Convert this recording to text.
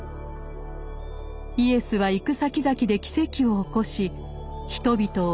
イエスは行くさきざきで奇跡を起こし人々を癒やします。